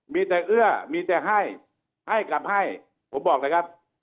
มีแต่เอื้อมีแต่ให้ให้กับให้ผมบอกเลยครับ